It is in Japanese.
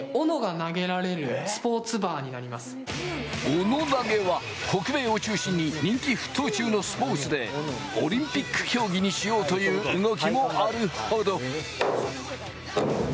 斧投げは北米を中心に人気沸騰中のスポーツで、オリンピック競技にしようという動きもあるほど！